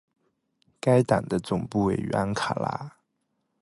该党的总部位于安卡拉。